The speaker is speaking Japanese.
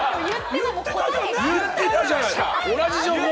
言ってたじゃないですか！